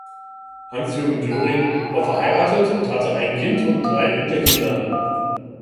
Hans-Jürgen Döring war verheiratet und hatte ein Kind und drei Enkelkinder.